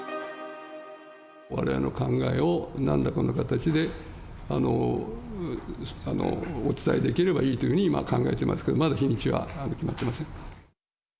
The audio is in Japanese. われわれの考えをなんらかの形でお伝えできればいいというふうに今は考えてますけど、まだ日にちは決まってません。